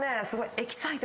エキサイトした。